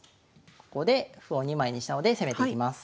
ここで歩を２枚にしたので攻めていきます。